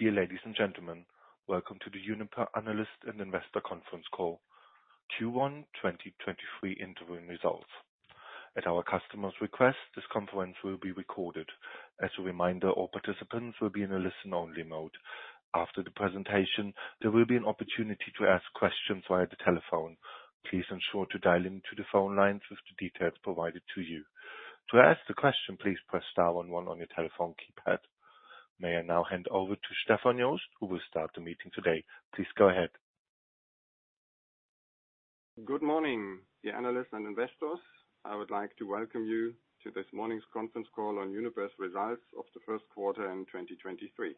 Dear ladies and gentlemen, welcome to the Uniper Analyst and Investor Conference Call, Q1 2023 Interim Results. At our customer's request, this conference will be recorded. As a reminder, all participants will be in a listen-only mode. After the presentation, there will be an opportunity to ask questions via the telephone. Please ensure to dial into the phone lines with the details provided to you. To ask the question, please press star one one on your telephone keypad. May I now hand over to Stefan Jost, who will start the meeting today. Please go ahead. Good morning, dear analysts and investors. I would like to welcome you to this morning's conference call on Uniper's results of the first quarter in 2023.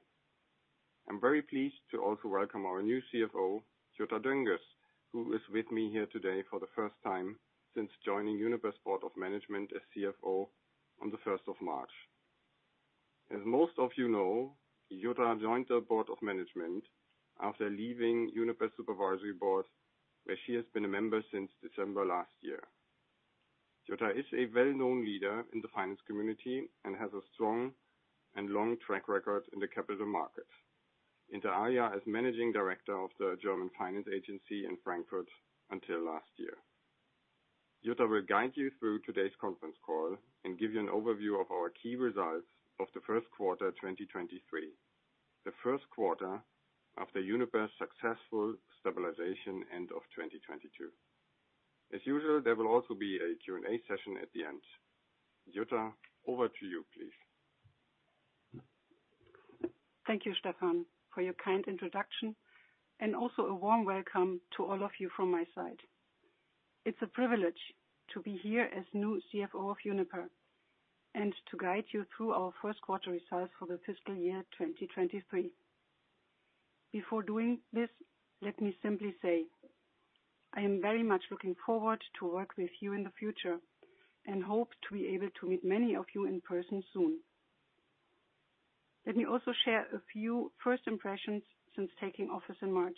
I'm very pleased to also welcome our new CFO, Jutta Dönges, who is with me here today for the first time since joining Uniper's Board of Management as CFO on the first of March. As most of you know, Jutta joined the Board of Management after leaving Uniper Supervisory Board, where she has been a member since December last year. Jutta is a well-known leader in the finance community and has a strong and long track record in the capital market. As Managing Director of the German Finance Agency in Frankfurt until last year. Jutta will guide you through today's conference call and give you an overview of our key results of the first quarter 2023. The first quarter after Uniper's successful stabilization end of 2022. As usual, there will also be a Q&A session at the end. Jutta, over to you, please. Thank you, Stefan, for your kind introduction and also a warm welcome to all of you from my side. It's a privilege to be here as new CFO of Uniper and to guide you through our first quarter results for the fiscal year 2023. Before doing this, let me simply say, I am very much looking forward to work with you in the future and hope to be able to meet many of you in person soon. Let me also share a few first impressions since taking office in March.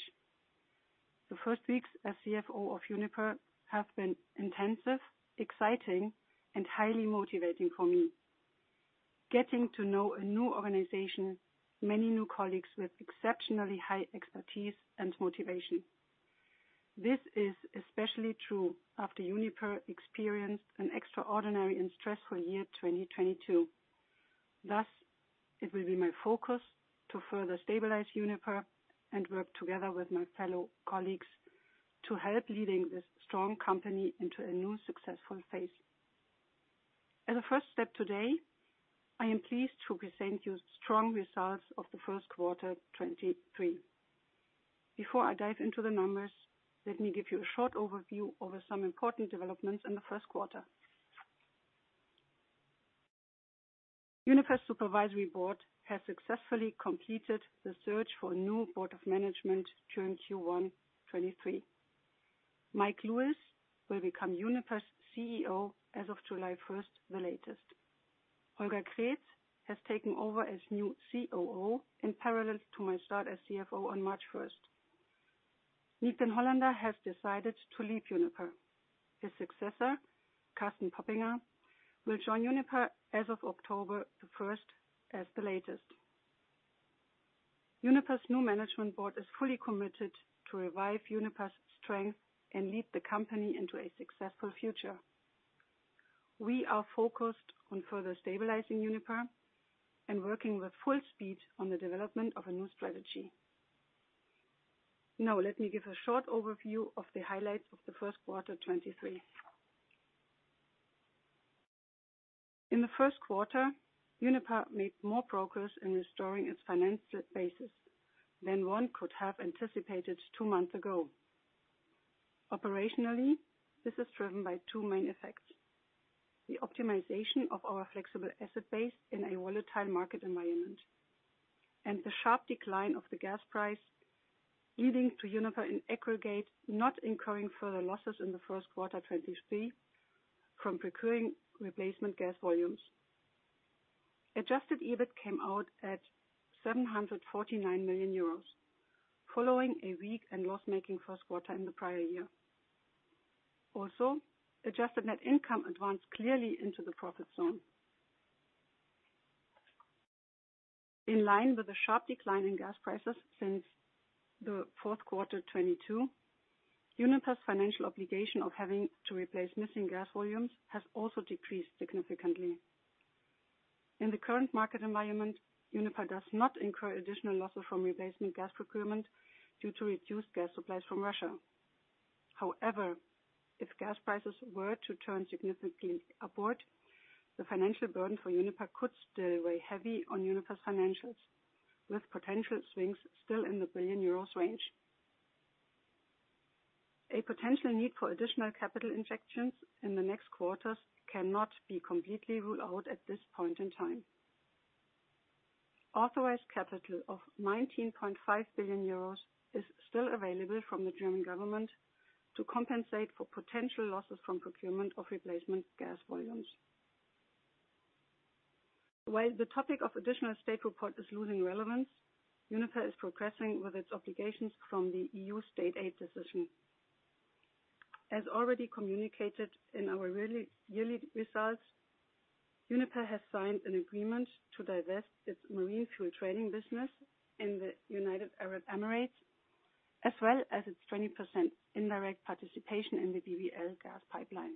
The first weeks as CFO of Uniper have been intensive, exciting, and highly motivating for me. Getting to know a new organization, many new colleagues with exceptionally high expertise and motivation. This is especially true after Uniper experienced an extraordinary and stressful year, 2022. It will be my focus to further stabilize Uniper and work together with my fellow colleagues to help leading this strong company into a new successful phase. As a first step today, I am pleased to present you strong results of the first quarter 2023. Before I dive into the numbers, let me give you a short overview over some important developments in the first quarter. Uniper Supervisory Board has successfully completed the search for a new Board of Management during Q1 2023. Mike Lewis will become Uniper's CEO as of July 1st, the latest. Holger Kreetz has taken over as new COO in parallel to my start as CFO on March 1st. Niek den Hollander has decided to leave Uniper. His successor, Carsten Poppinga, will join Uniper as of October 1st as the latest. Uniper Board of Management is fully committed to revive Uniper strength and lead the company into a successful future. We are focused on further stabilizing Uniper and working with full speed on the development of a new strategy. Let me give a short overview of the highlights of the first quarter 2023. In the first quarter, Uniper made more progress in restoring its financial basis than one could have anticipated two months ago. Operationally, this is driven by two main effects: the optimization of our flexible asset base in a volatile market environment, and the sharp decline of the gas price, leading to Uniper in aggregate not incurring further losses in the first quarter 2023 from procuring replacement gas volumes. adjusted EBIT came out at 749 million euros, following a weak and loss-making first quarter in the prior year. Also, adjusted net income advanced clearly into the profit zone. In line with the sharp decline in gas prices since the fourth quarter 2022, Uniper's financial obligation of having to replace missing gas volumes has also decreased significantly. In the current market environment, Uniper does not incur additional losses from replacement gas procurement due to reduced gas supplies from Russia. However, if gas prices were to turn significantly upward, the financial burden for Uniper could still weigh heavy on Uniper's financials, with potential swings still in the billion euros range. A potential need for additional capital injections in the next quarters cannot be completely ruled out at this point in time. Authorized capital of 19.5 billion euros is still available from the German government to compensate for potential losses from procurement of replacement gas volumes. While the topic of additional state report is losing relevance, Uniper is progressing with its obligations from the EU State aid decision. As already communicated in our yearly results, Uniper has signed an agreement to divest its marine fuel trading business in the United Arab Emirates, as well as its 20% indirect participation in the BBL gas pipeline.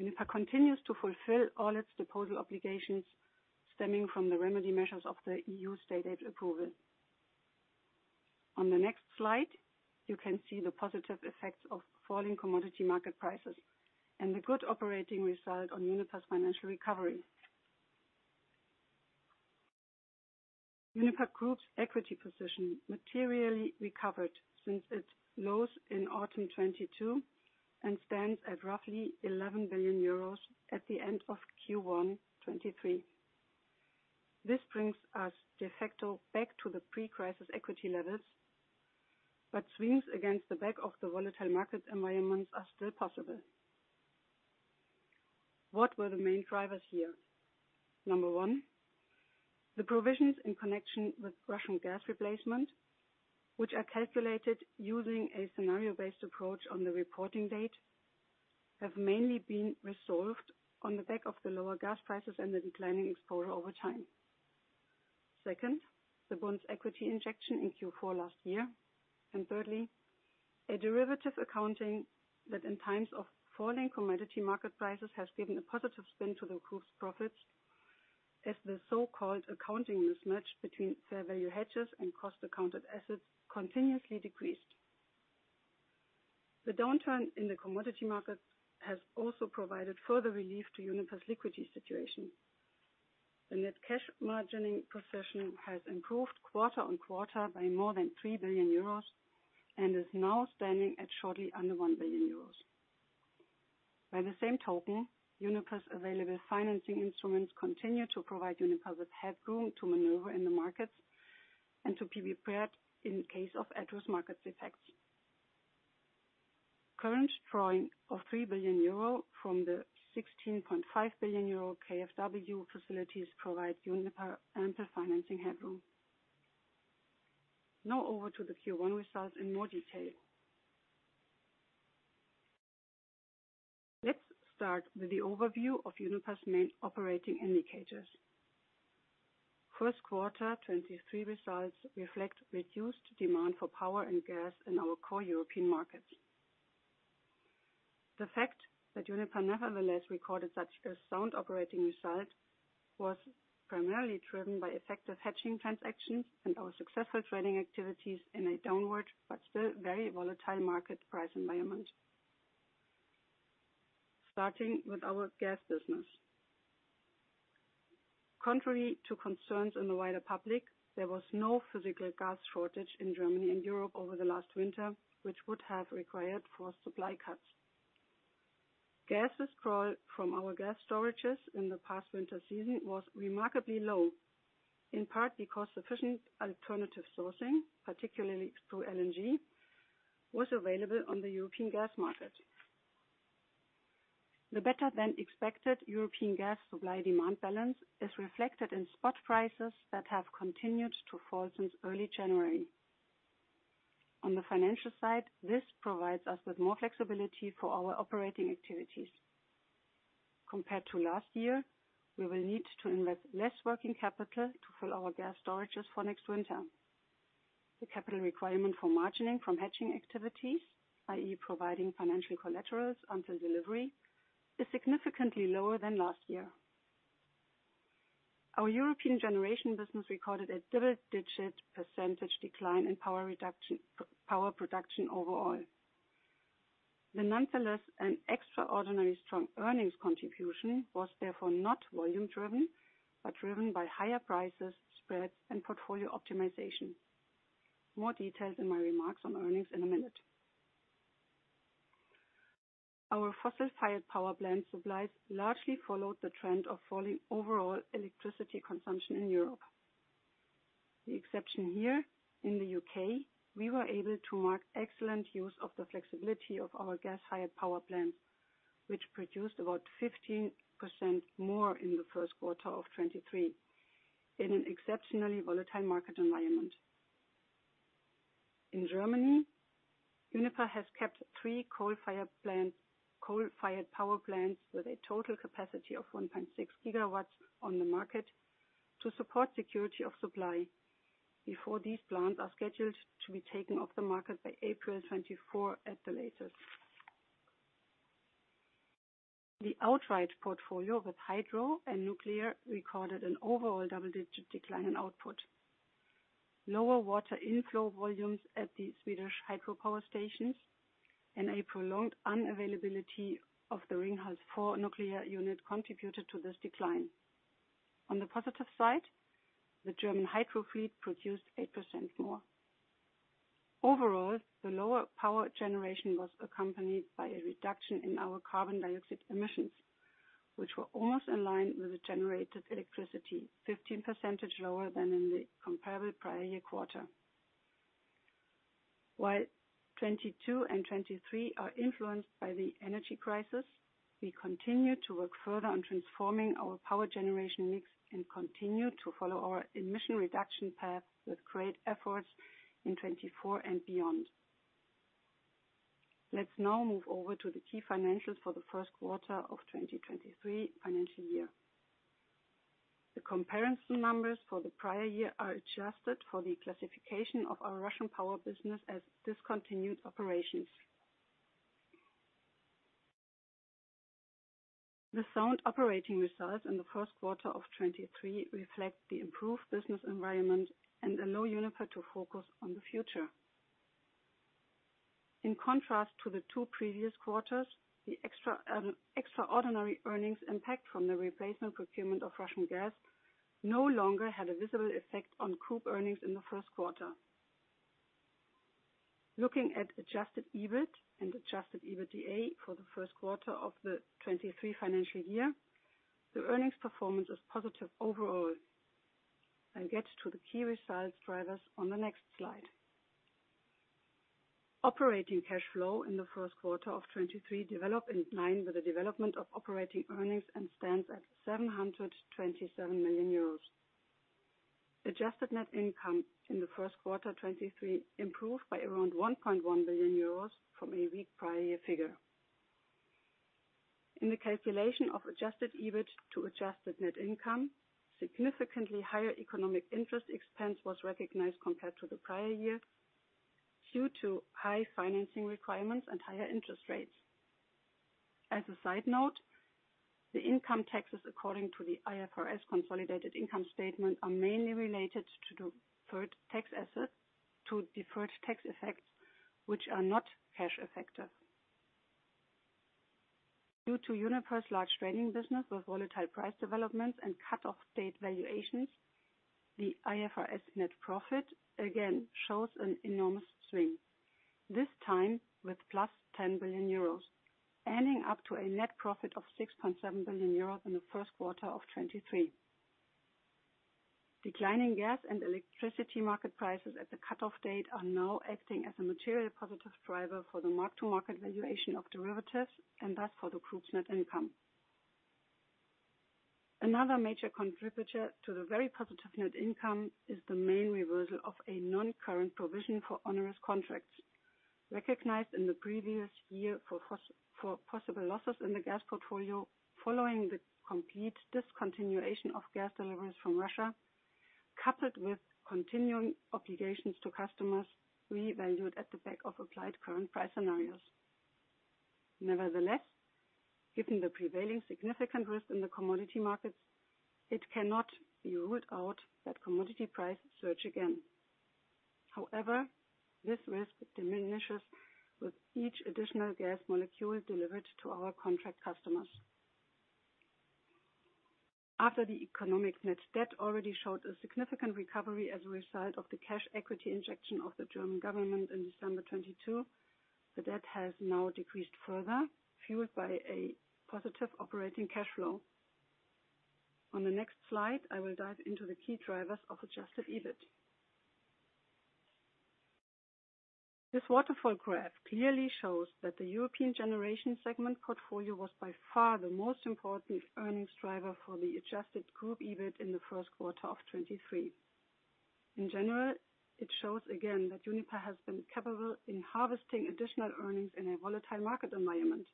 Uniper continues to fulfill all its disposal obligations stemming from the remedy measures of the EU State aid approval. On the next slide, you can see the positive effects of falling commodity market prices and the good operating result on Uniper's financial recovery. Uniper Group's equity position materially recovered since its lows in autumn 2022, and stands at roughly 11 billion euros at the end of Q1 2023. This brings us de facto back to the pre-crisis equity levels. Swings against the back of the volatile market environments are still possible. What were the main drivers here? Number one, the provisions in connection with Russian gas replacement, which are calculated using a scenario-based approach on the reporting date, have mainly been resolved on the back of the lower gas prices and the declining exposure over time. Second, the Bund's equity injection in Q4 last year. Thirdly, a derivative accounting that in times of falling commodity market prices, has given a positive spin to the group's profits as the so-called accounting mismatch between fair value hedges and cost accounted assets continuously decreased. The downturn in the commodity markets has also provided further relief to Uniper's liquidity situation. The net cash margining position has improved quarter-on-quarter by more than 3 billion euros and is now standing at shortly under 1 billion euros. Uniper's available financing instruments continue to provide Uniper with headroom to maneuver in the markets and to be prepared in case of adverse market effects. Current drawing of 3 billion euro from the 16.5 billion euro KfW facilities provide Uniper ample financing headroom. Over to the Q1 results in more detail. Let's start with the overview of Uniper's main operating indicators. First quarter 2023 results reflect reduced demand for power and gas in our core European markets. The fact that Uniper nevertheless recorded such a sound operating result was primarily driven by effective hedging transactions and our successful trading activities in a downward, but still very volatile market price environment. Starting with our gas business. Contrary to concerns in the wider public, there was no physical gas shortage in Germany and Europe over the last winter, which would have required for supply cuts. Gas withdrawal from our gas storages in the past winter season was remarkably low, in part because sufficient alternative sourcing, particularly through LNG, was available on the European gas market. The better-than-expected European gas supply demand balance is reflected in spot prices that have continued to fall since early January. On the financial side, this provides us with more flexibility for our operating activities. Compared to last year, we will need to invest less working capital to fill our gas storages for next winter. The capital requirement for margining from hedging activities, i.e., providing financial collaterals until delivery, is significantly lower than last year. Our European Generation business recorded a double-digit percent decline in power production overall. The nonetheless and extraordinary strong earnings contribution was therefore not volume driven, but driven by higher prices, spreads, and portfolio optimization. More details in my remarks on earnings in a minute. Our fossil-fired power plant supplies largely followed the trend of falling overall electricity consumption in Europe. The exception here in the U.K., we were able to mark excellent use of the flexibility of our gas-fired power plants, which produced about 15% more in the first quarter of 2023, in an exceptionally volatile market environment. In Germany, Uniper has kept three coal-fired power plants with a total capacity of 1.6 GW on the market to support security of supply before these plants are scheduled to be taken off the market by April 2024 at the latest. The outright portfolio with hydro and nuclear recorded an overall double-digit decline in output. Lower water inflow volumes at the Swedish hydropower stations and a prolonged unavailability of the Ringhals 4 nuclear unit contributed to this decline. On the positive side, the German hydro fleet produced 8% more. Overall, the lower power generation was accompanied by a reduction in our carbon dioxide emissions, which were almost in line with the generated electricity, 15% lower than in the comparable prior year quarter. While 2022 and 2023 are influenced by the energy crisis. We continue to work further on transforming our power generation mix and continue to follow our emission reduction path with great efforts in 2024 and beyond. Let's now move over to the key financials for the first quarter of 2023 financial year. The comparison numbers for the prior year are adjusted for the classification of our Russian power business as discontinued operations. The sound operating results in the first quarter of 2023 reflect the improved business environment and allow Uniper to focus on the future. In contrast to the two previous quarters, the extra extraordinary earnings impact from the replacement procurement of Russian gas no longer had a visible effect on group earnings in the first quarter. Looking at adjusted EBIT and adjusted EBITDA for the first quarter of the 2023 financial year, the earnings performance was positive overall. I'll get to the key results drivers on the next slide. Operating cash flow in the first quarter of 2023 developed in line with the development of operating earnings and stands at 727 million euros. Adjusted net income in the first quarter 2023 improved by around 1.1 billion euros from a weak prior year figure. In the calculation of adjusted EBIT to adjusted net income, significantly higher economic interest expense was recognized compared to the prior year due to high financing requirements and higher interest rates. As a side note, the income taxes according to the IFRS consolidated income statement are mainly related to deferred tax effects, which are not cash effective. Due to Uniper's large trading business with volatile price developments and cut-off date valuations, the IFRS net profit again shows an enormous swing, this time with +10 billion euros, ending up to a net profit of 6.7 billion euros in the first quarter of 2023. Declining gas and electricity market prices at the cut-off date are now acting as a material positive driver for the mark-to-market valuation of derivatives, and thus for the group's net income. Another major contributor to the very positive net income is the main reversal of a non-current provision for onerous contracts recognized in the previous year for possible losses in the gas portfolio following the complete discontinuation of gas deliveries from Russia, coupled with continuing obligations to customers revalued at the back of applied current price scenarios. Nevertheless, given the prevailing significant risk in the commodity markets, it cannot be ruled out that commodity prices surge again. However, this risk diminishes with each additional gas molecule delivered to our contract customers. After the economic net debt already showed a significant recovery as a result of the cash equity injection of the German government in December 2022, the debt has now decreased further, fueled by a positive operating cash flow. On the next slide, I will dive into the key drivers of adjusted EBIT. This waterfall graph clearly shows that the European Generation segment portfolio was by far the most important earnings driver for the adjusted group EBIT in the first quarter of 2023. In general, it shows again that Uniper has been capable in harvesting additional earnings in a volatile market environment.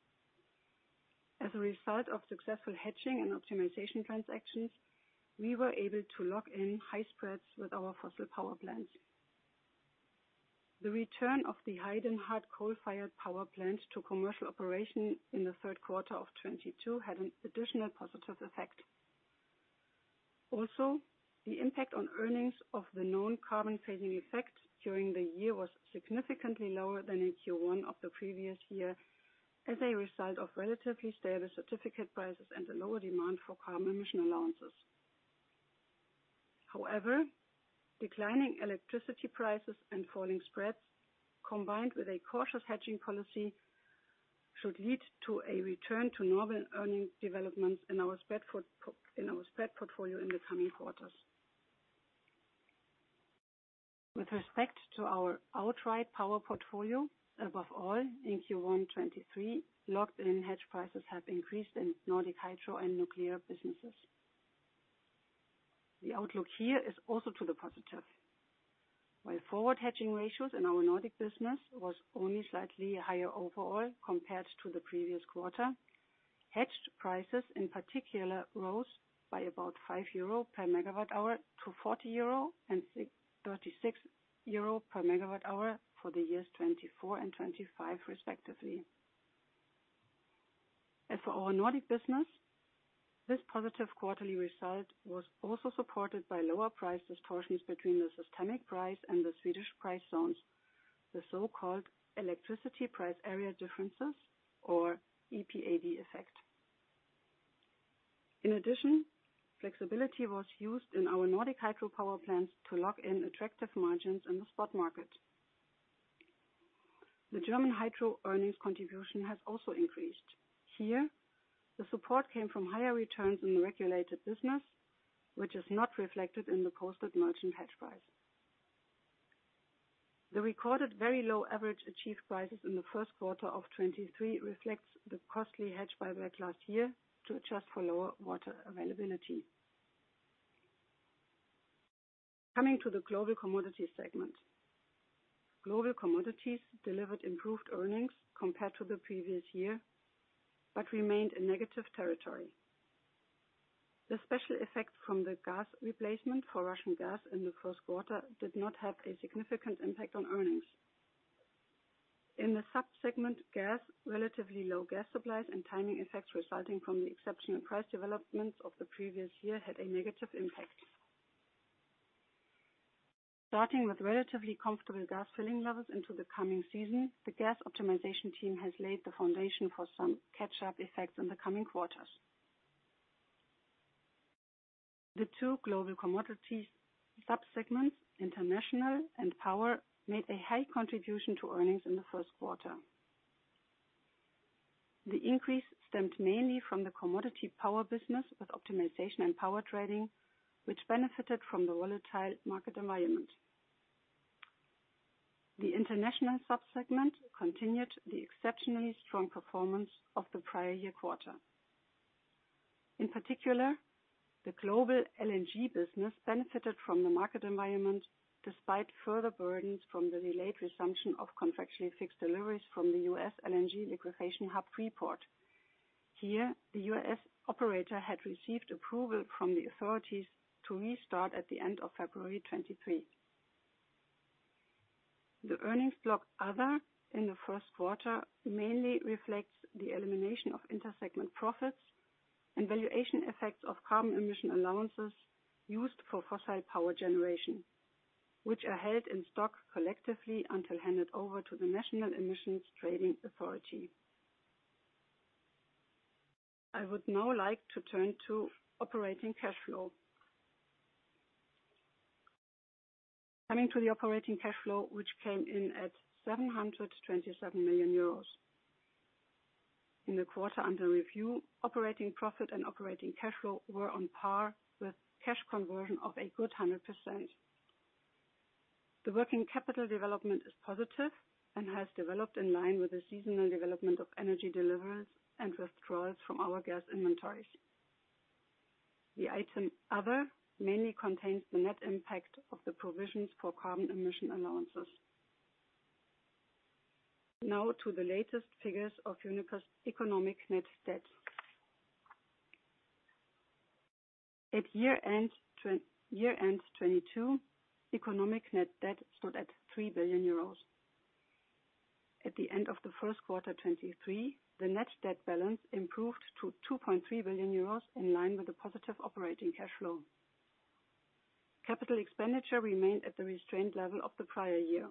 As a result of successful hedging and optimization transactions, we were able to lock in high spreads with our fossil power plants. Also, the return of the Heyden hard coal-fired power plant to commercial operation in the thirrd quarter of 2022 had an additional positive effect. Also, the impact on earnings of the known carbon phasing effect during the year was significantly lower than in Q1 of the previous year as a result of relatively stable certificate prices and a lower demand for carbon emission allowances. Declining electricity prices and falling spreads, combined with a cautious hedging policy, should lead to a return to normal earnings development in our spread portfolio in the coming quarters. With respect to our outright power portfolio, above all in Q1 2023, locked-in hedge prices have increased in Nordic hydro and nuclear businesses. The outlook here is also to the positive. While forward hedging ratios in our Nordic business was only slightly higher overall compared to the previous quarter, hedged prices in particular rose by about 5 euro/MWh to 40 euro/MWh and 36 euro/MWh for the years 2024 and 2025, respectively. For our Nordic business, this positive quarterly result was also supported by lower price distortions between the systemic price and the Swedish price zones, the so-called Electricity Price Area Differentials, or EPAD effect. In addition, flexibility was used in our Nordic hydropower plants to lock in attractive margins in the spot market. The German hydro earnings contribution has also increased. Here, the support came from higher returns in the regulated business, which is not reflected in the posted merchant hedge price. The recorded very low average achieved prices in the first quarter of 2023 reflects the costly hedge buyback last year to adjust for lower water availability. Coming to the Global Commodities segment. Global Commodities delivered improved earnings compared to the previous year, but remained in negative territory. The special effect from the gas replacement for Russian gas in the first quarter did not have a significant impact on earnings. In the sub-segment gas, relatively low gas supplies and timing effects resulting from the exceptional price developments of the previous year had a negative impact. Starting with relatively comfortable gas filling levels into the coming season, the gas optimization team has laid the foundation for some catch-up effects in the coming quarters. The two Global Commodities sub-segments, International and Power, made a high contribution to earnings in the first quarter. The increase stemmed mainly from the commodity power business with optimization and power trading, which benefited from the volatile market environment. The International sub-segment continued the exceptionally strong performance of the prior year quarter. In particular, the global LNG business benefited from the market environment despite further burdens from the delayed resumption of contractually fixed deliveries from the US LNG liquefacation hub Freeport. Here, the U.S. operator had received approval from the authorities to restart at the end of February 2023. The earnings block other in the first quarter mainly reflects the elimination of inter-segment profits and valuation effects of carbon emission allowances used for fossil power generation, which are held in stock collectively until handed over to the German Emissions Trading Authority. I would now like to turn to operating cash flow. Coming to the operating cash flow, which came in at 727 million euros. In the quarter under review, operating profit and operating cash flow were on par with cash conversion of a good 100%. The working capital development is positive and has developed in line with the seasonal development of energy deliveries and withdrawals from our gas inventories. The item Other mainly contains the net impact of the provisions for carbon emission allowances. Now to the latest figures of Uniper's economic net debt. At year-end 2022, economic net debt stood at 3 billion euros. At the end of the first quarter 2023, the net debt balance improved to 2.3 billion euros, in line with the positive operating cash flow. Capital expenditure remained at the restrained level of the prior year.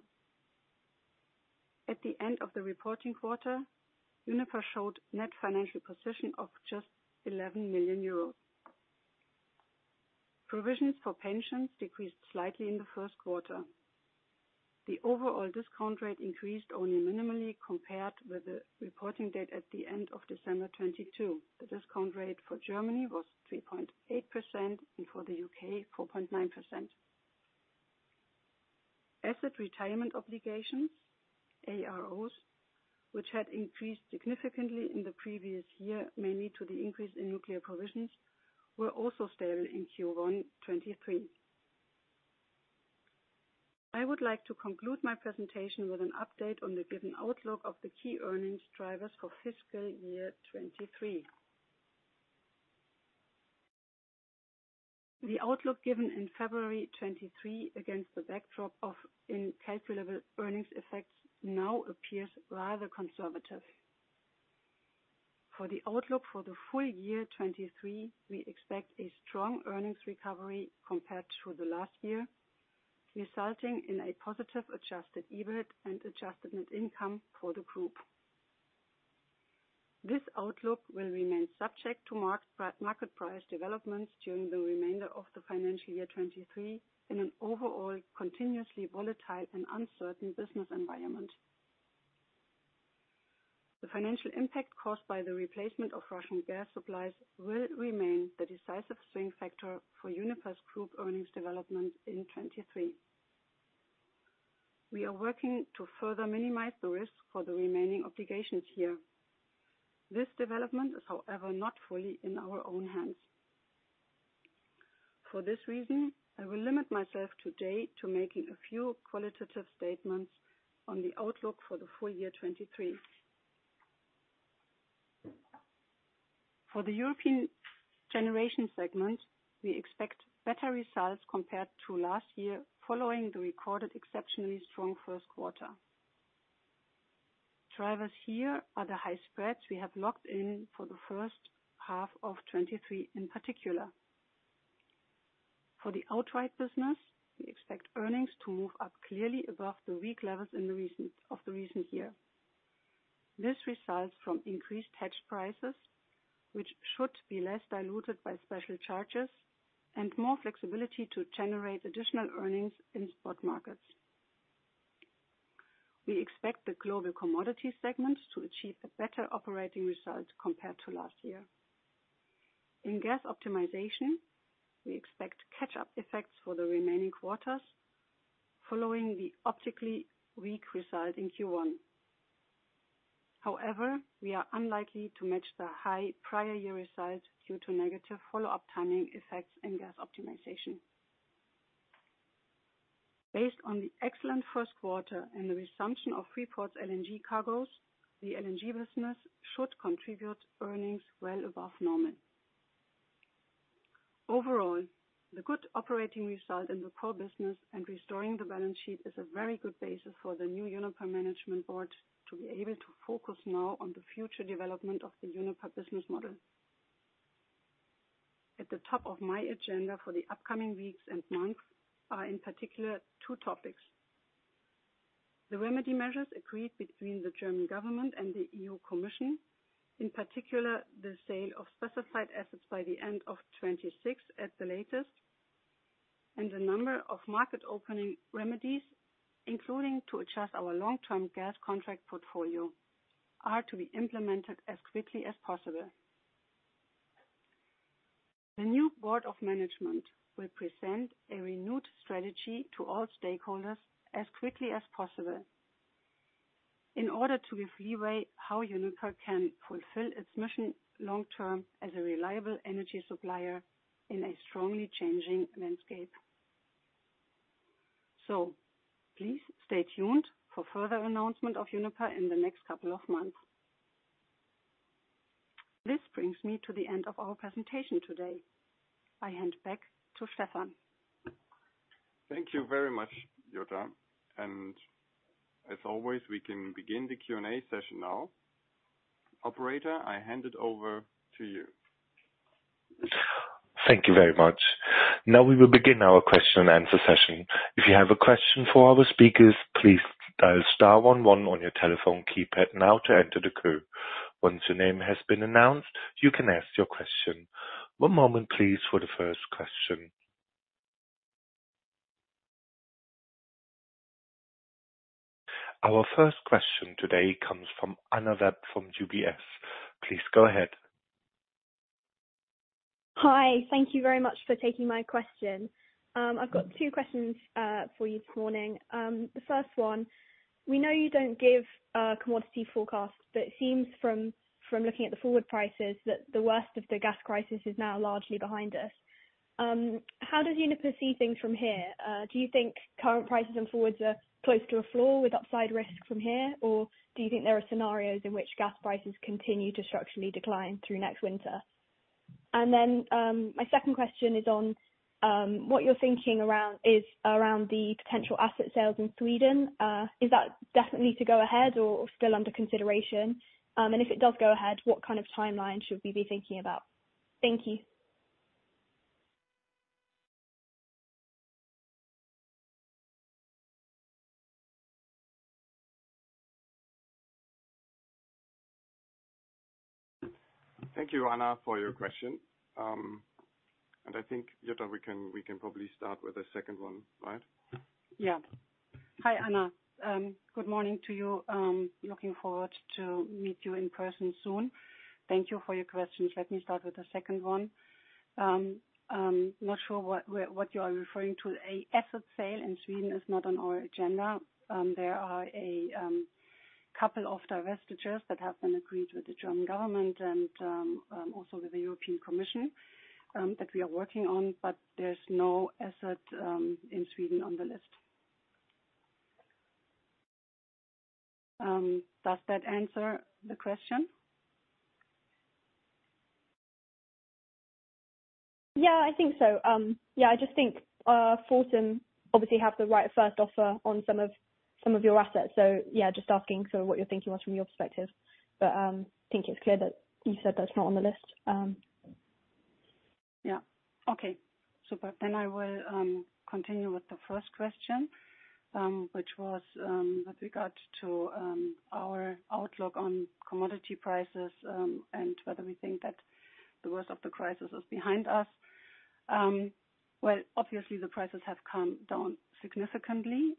At the end of the reporting quarter, Uniper showed net financial position of just 11 million euros. Provisions for pensions decreased slightly in the first quarter. The overall discount rate increased only minimally compared with the reporting date at the end of December 2022. The discount rate for Germany was 3.8% and for the U.K., 4.9%. Asset retirement obligations, AROs, which had increased significantly in the previous year, mainly to the increase in nuclear provisions, were also stable in Q1 2023. I would like to conclude my presentation with an update on the given outlook of the key earnings drivers for fiscal year 2023. The outlook given in February 2023 against the backdrop of incalculable earnings effects now appears rather conservative. For the outlook for the full year 2023, we expect a strong earnings recovery compared to the last year, resulting in a positive adjusted EBIT and adjusted net income for the group. This outlook will remain subject to market price developments during the remainder of the financial year 2023 in an overall continuously volatile and uncertain business environment. The financial impact caused by the replacement of Russian gas supplies will remain the decisive swing factor for Uniper's group earnings development in 2023. We are working to further minimize the risk for the remaining obligations here. This development is, however, not fully in our own hands. For this reason, I will limit myself today to making a few qualitative statements on the outlook for the full year 2023. For the European Generation segment, we expect better results compared to last year following the recorded exceptionally strong first quarter. Drivers here are the high spreads we have locked in for the first half of 2023, in particular. For the outright business, we expect earnings to move up clearly above the weak levels of the recent year. This results from increased hedge prices, which should be less diluted by special charges and more flexibility to generate additional earnings in spot markets. We expect the Global Commodities segment to achieve a better operating result compared to last year. In gas optimization, we expect catch-up effects for the remaining quarters following the optically weak result in Q1. We are unlikely to match the high prior year results due to negative follow-up timing effects in gas optimization. Based on the excellent first quarter and the resumption of Freeport LNG cargoes, the LNG business should contribute earnings well above normal. Overall, the good operating result in the core business and restoring the balance sheet is a very good basis for the new Uniper Management Board to be able to focus now on the future development of the Uniper business model. At the top of my agenda for the upcoming weeks and months are in particular two topics. The remedy measures agreed between the German government and the EU Commission, in particular, the sale of specified assets by the end of 2026 at the latest, and the number of market opening remedies, including to adjust our long-term gas contract portfolio, are to be implemented as quickly as possible. The new Board of Management will present a renewed strategy to all stakeholders as quickly as possible in order to give leeway how Uniper can fulfill its mission long term as a reliable energy supplier in a strongly changing landscape. Please stay tuned for further announcement of Uniper in the next couple of months. This brings me to the end of our presentation today. I hand back to Stefan. Thank you very much, Jutta. As always, we can begin the Q&A session now. Operator, I hand it over to you. Thank you very much. Now we will begin our question and answer session. If you have a question for our speakers, please dial star one one on your telephone keypad now to enter the queue. Once your name has been announced, you can ask your question. One moment please for the first question. Our first question today comes from Anna Webb, from UBS. Please go ahead. Hi. Thank you very much for taking my question. I've got two questions for you this morning. The first one, we know you don't give commodity forecasts, but it seems from looking at the forward prices that the worst of the gas crisis is now largely behind us. How does Uniper see things from here? Do you think current prices and forwards are close to a floor with upside risk from here? Or do you think there are scenarios in which gas prices continue to structurally decline through next winter? My second question is on what you're thinking around the potential asset sales in Sweden. Is that definitely to go ahead or still under consideration? If it does go ahead, what kind of timeline should we be thinking about? Thank you. Thank you, Anna, for your question. I think, Jutta, we can probably start with the second one, right? Hi, Anna. Good morning to you. Looking forward to meet you in person soon. Thank you for your questions. Let me start with the second one. Not sure what you are referring to. A asset sale in Sweden is not on our agenda. There are a couple of divestitures that have been agreed with the German government and also with the European Commission that we are working on, but there's no asset in Sweden on the list. Does that answer the question? Yeah, I think so. Yeah, I just think Fortum obviously have the right first offer on some of your assets. Yeah, just asking sort of what you're thinking about from your perspective. Think it's clear that you said that's not on the list. Okay. Super. I will continue with the first question, which was with regard to our outlook on commodity prices, and whether we think that the worst of the crisis is behind us. Obviously the prices have come down significantly.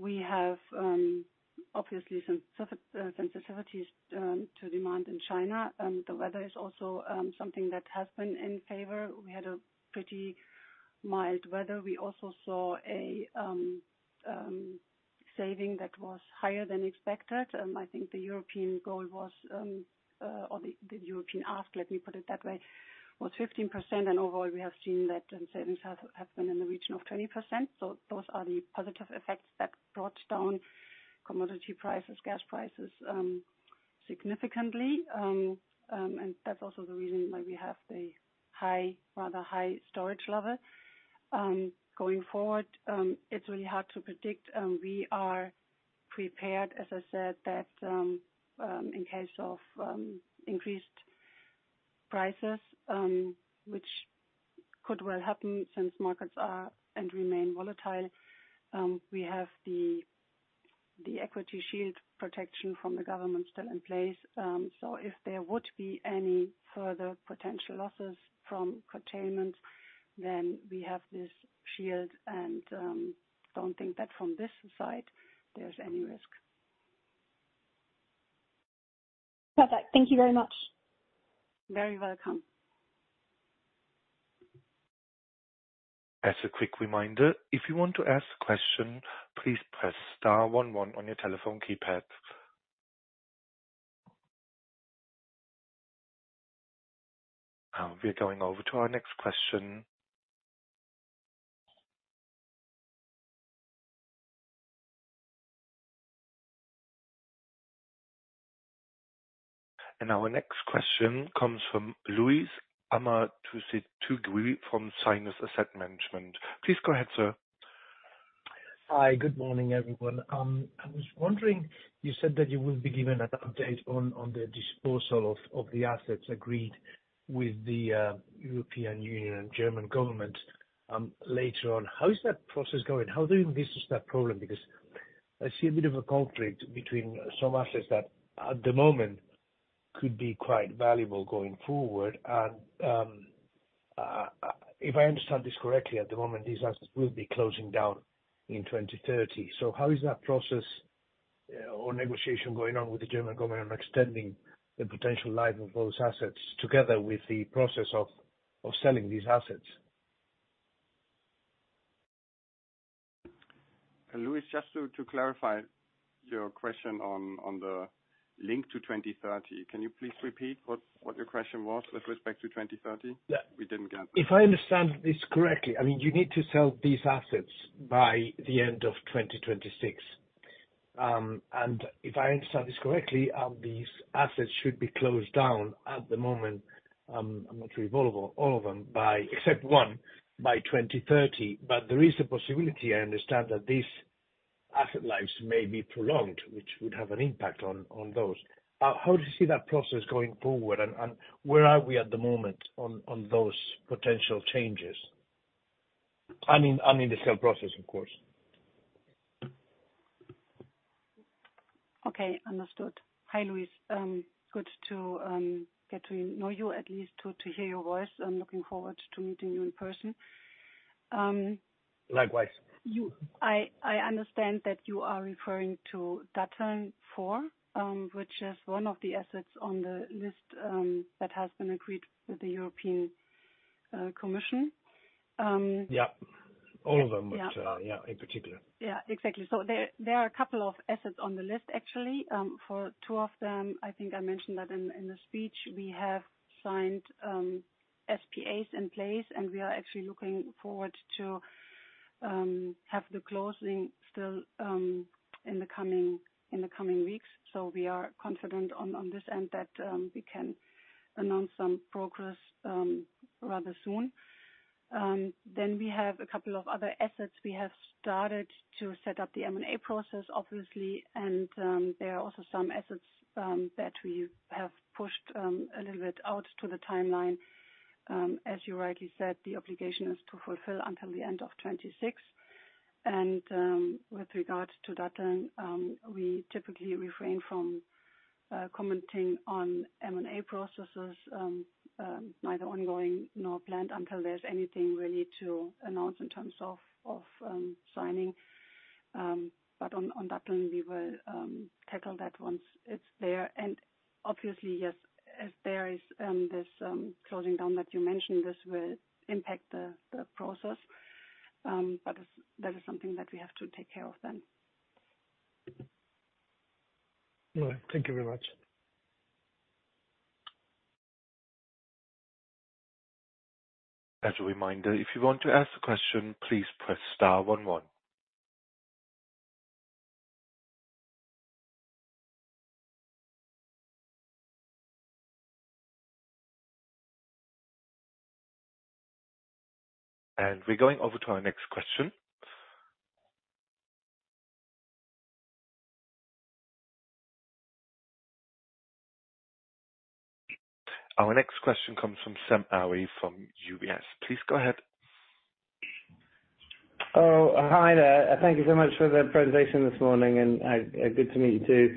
We have obviously some sensitivities to demand in China. The weather is also something that has been in favor. We had a pretty mild weather. We also saw a saving that was higher than expected. I think the European goal was or the European ask, let me put it that way, was 15%, and overall, we have seen that savings have been in the region of 20%. Those are the positive effects that brought down commodity prices, gas prices, significantly. And that's also the reason why we have the high, rather high storage level. Going forward, it's really hard to predict. We are prepared, as I said, that, in case of increased prices, which could well happen since markets are and remain volatile, we have the equity shield protection from the government still in place. If there would be any further potential losses from curtailment, then we have this shield and don't think that from this side there's any risk. Perfect. Thank you very much. Very welcome. As a quick reminder, if you want to ask a question, please press star one one on your telephone keypad. We're going over to our next question. Our next question comes from Luis Amusategui from Cygnus Asset Management. Please go ahead, sir. Hi. Good morning, everyone. I was wondering, you said that you will be given an update on the disposal of the assets agreed with the European Commission and German government later on. How is that process going? How are you doing that problem? Because I see a bit of a conflict between some assets that at the moment could be quite valuable going forward and if I understand this correctly, at the moment, these assets will be closing down in 2030. How is that process or negotiation going on with the German government on extending the potential life of those assets together with the process of selling these assets? Luis, just to clarify your question on the link to 2030, can you please repeat what your question was with respect to 2030? Yeah. We didn't get that. If I understand this correctly, I mean, you need to sell these assets by the end of 2026. If I understand this correctly, these assets should be closed down at the moment, I'm not sure of all of them, except one by 2030. There is a possibility I understand that these asset lives may be prolonged, which would have an impact on those. How do you see that process going forward and where are we at the moment on those potential changes? I mean, the sale process, of course. Okay. Understood. Hi, Luis. Good to get to know you, at least to hear your voice. I'm looking forward to meeting you in person. Likewise. I understand that you are referring to Datteln 4, which is one of the assets on the list that has been agreed with the European Commission. Yeah. Yeah. Which, yeah, in particular. Exactly. There are a couple of assets on the list, actually, for two of them, I think I mentioned that in the speech. We have signed SPAs in place, and we are actually looking forward to have the closing still in the coming weeks. We are confident on this end that we can announce some progress rather soon. We have a couple of other assets we have started to set up the M&A process, obviously, and there are also some assets that we have pushed a little bit out to the timeline. As you rightly said, the obligation is to fulfill until the end of 2026. With regards to Datteln, we typically refrain from commenting on M&A processes, neither ongoing nor planned until there's anything really to announce in terms of signing. On Datteln, we will tackle that once it's there. Obviously, yes, as there is this closing down that you mentioned, this will impact the process. That is something that we have to take care of then. All right. Thank you very much. As a reminder, if you want to ask a question, please press star one one. We're going over to our next question. Our next question comes from Sam Arie from UBS. Please go ahead. Hi there. Thank you so much for the presentation this morning, and good to meet you too.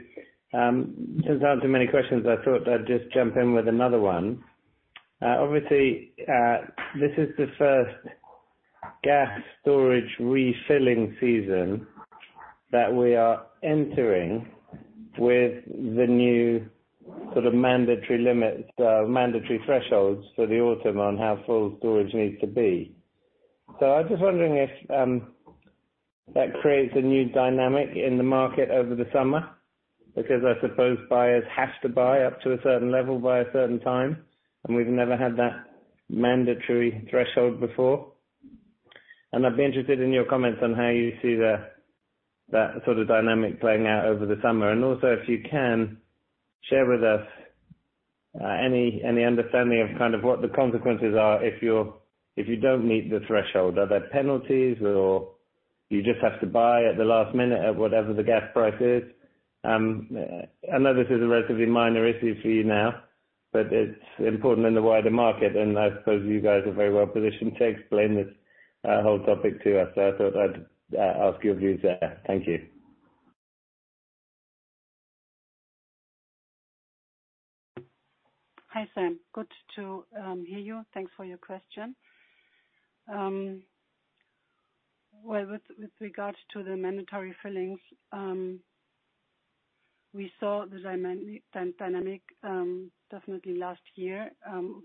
Since I have too many questions, I thought I'd just jump in with another one. Obviously, this is the first gas storage refilling season that we are entering with the new sort of mandatory limits, mandatory thresholds for the autumn on how full storage needs to be. I was just wondering if that creates a new dynamic in the market over the summer, because I suppose buyers have to buy up to a certain level by a certain time, and we've never had that mandatory threshold before. I'd be interested in your comments on how you see that sort of dynamic playing out over the summer. If you can, share with us any understanding of kind of what the consequences are if you don't meet the threshold. Are there penalties or you just have to buy at the last minute at whatever the gas price is? I know this is a relatively minor issue for you now, but it's important in the wider market, and I suppose you guys are very well positioned to explain this whole topic to us. I thought I'd ask your views there. Thank you. Hi, Sam. Good to hear you. Thanks for your question. Well, with regards to the mandatory fillings, we saw the dynamic definitely last year.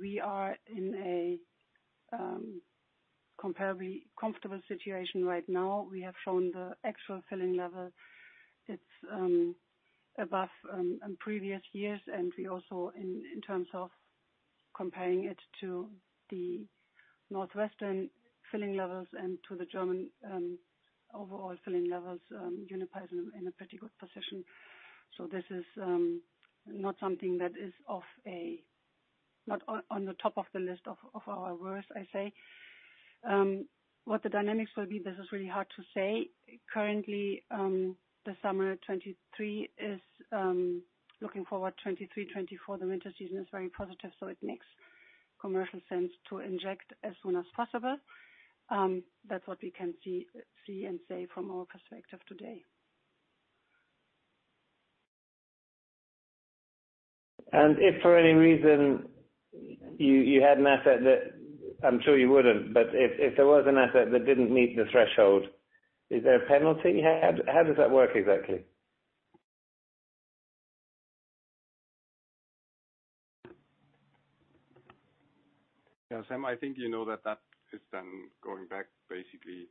We are in a comparably comfortable situation right now. We have shown the actual filling level. It's above previous years, and we also in terms of comparing it to the northwestern filling levels and to the German overall filling levels, Uniper is in a pretty good position. This is not something that is on the top of the list of our worries, I say. What the dynamics will be, this is really hard to say. Currently, the summer 2023 is looking forward, 2023, 2024, the winter season is very positive, so it makes commercial sense to inject as soon as possible. That's what we can see and say from our perspective today. If for any reason you had an asset that, I'm sure you wouldn't, but if there was an asset that didn't meet the threshold, is there a penalty? How does that work exactly? Sam, I think you know that is then going back basically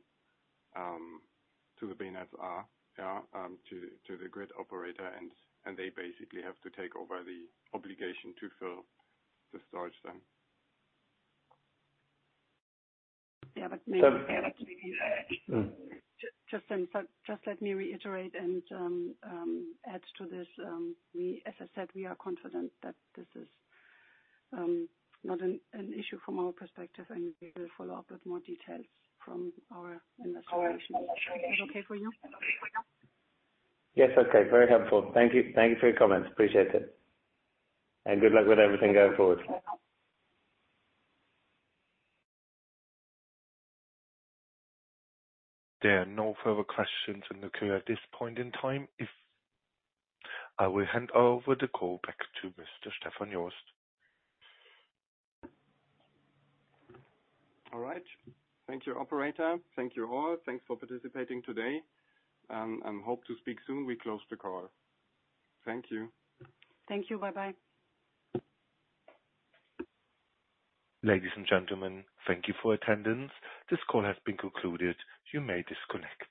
to the BNetzA, yeah, to the grid operator, and they basically have to take over the obligation to fill the storage then. Just let me reiterate and add to this. As I said, we are confident that this is not an issue from our perspective, and we will follow up with more details from our investigation. Is that okay for you? Yes, okay. Very helpful. Thank you. Thank you for your comments. Appreciate it. Good luck with everything going forward. There are no further questions in the queue at this point in time. I will hand over the call back to Mr. Stefan Jost. All right. Thank you, operator. Thank you all. Thanks for participating today. Hope to speak soon. We close the call. Thank you. Thank you. Bye-bye. Ladies and gentlemen, thank you for attendance. This call has been concluded. You may disconnect.